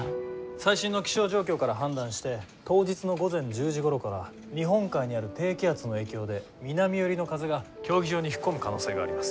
最新の気象状況から判断して当日の午前１０時ごろから日本海にある低気圧の影響で南よりの風が競技場に吹き込む可能性があります。